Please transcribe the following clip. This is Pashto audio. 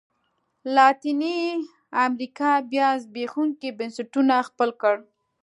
لاتینې امریکا بیا زبېښونکي بنسټونه خپل کړل.